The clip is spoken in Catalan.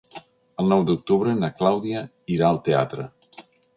El nou d'octubre na Clàudia irà al teatre.